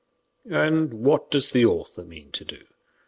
'" "And what does the author mean to do?"